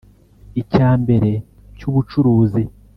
icya mbere cy’ubucuruzi